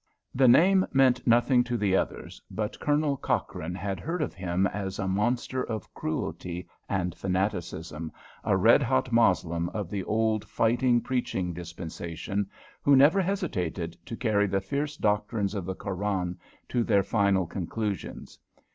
The name meant nothing to the others, but Colonel Cochrane had heard of him as a monster of cruelty and fanaticism, a red hot Moslem of the old fighting, preaching dispensation, who never hesitated to carry the fierce doctrines of the Koran to their final conclusions.